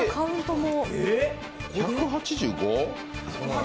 １８５？